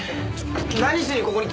何しにここに。